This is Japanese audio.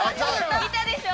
◆見たでしょう？